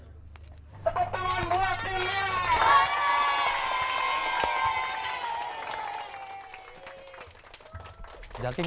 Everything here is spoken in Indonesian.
tepuk tangan buat si merah